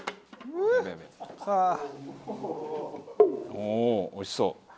おおおいしそう。